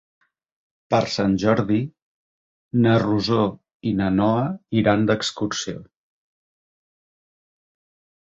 Per Sant Jordi na Rosó i na Noa iran d'excursió.